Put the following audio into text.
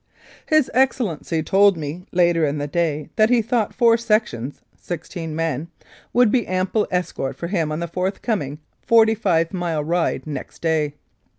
His Excellency told me later in the day that he thought four sections (sixteen men) would be ample escort for him on the forthcoming forty five mile ride next day.